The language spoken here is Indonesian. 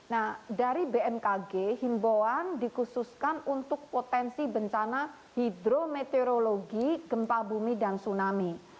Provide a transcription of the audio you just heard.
nah dari bmkg himbauan dikhususkan untuk potensi bencana hidrometeorologi gempa bumi dan tsunami